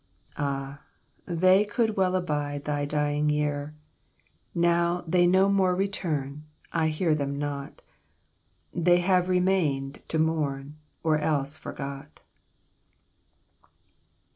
Ah, they could well abide The dying year. "Now they no more return, I hear them not; They have remained to mourn; Or else forgot."